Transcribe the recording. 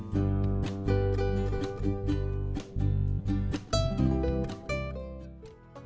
namun nilainya berkurang dari semula enam ratus rupiah menjadi tiga ratus rupiah perbulan